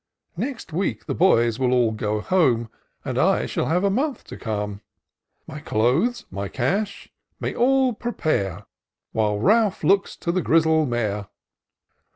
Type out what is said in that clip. Next week the boys will all go home. And I shall have a month to come. My clothes, my cash, my all prepare ; While Ralph looks to the grizzle mare.